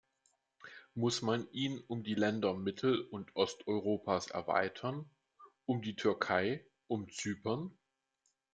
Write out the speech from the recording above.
Muss man ihn um die Länder Mittel- und Osteuropas erweitern, um die Türkei, um Zypern?